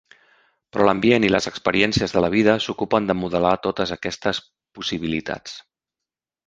Però l'ambient i les experiències de la vida s'ocupen de modelar totes aquestes possibilitats.